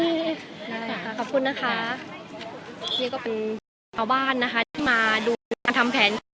ได้ค่ะขอบคุณนะคะนี่ก็เป็นเจ้าบ้านนะคะที่มาดูการทำแผนนี้